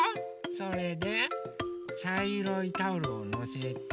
それでちゃいろいタオルをのせて。